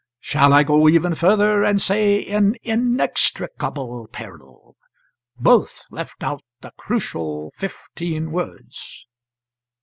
Shall I go even further, and say in inextricable peril? Both left out the crucial fifteen words."